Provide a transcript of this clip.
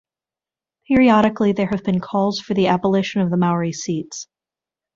Periodically there have been calls for the abolition of the Maori seats.